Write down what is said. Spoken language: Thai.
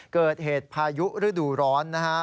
เกิดเหตุพายุฤดูร้อนนะฮะ